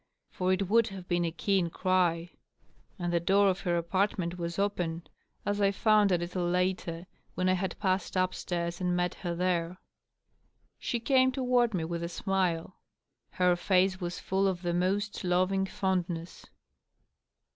For it would have been a keen cry ; and the door of her apartment was open, as I found a little later, when I had passed up stairs and met her there. She came toward me with a smile. Her face was full of the most loving fondness.